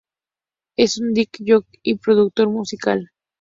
Es un disc jockey y productor musical.